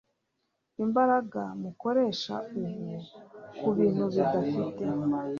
imbaraga mukoresha ubu ku bintu bidafite